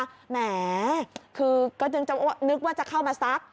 แหมคือก็จึงจะนึกว่าจะเข้ามาซัก